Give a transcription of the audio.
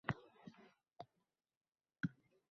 “Shunday jonimga tegib ketding-ki”